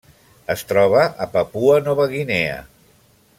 Es troba a Papua Nova Guinea.